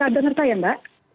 dengar saya mbak